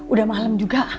udah malem juga